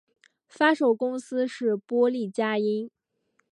发售公司是波丽佳音。